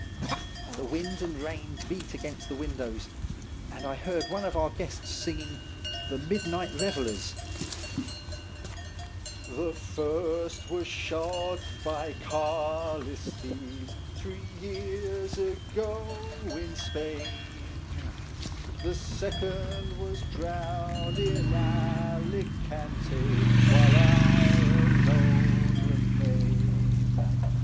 The wind and rain beat against the win dows, and I heard one of our guests singing "The Midnight Revellers:" " The first was shot by Carlist thieves Three years ago in Spain ; The second was drowned in Alicante, While I alone remain.